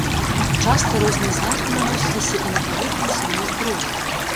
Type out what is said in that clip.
Часта розныя знакі наносіліся і на паверхню самой зброі.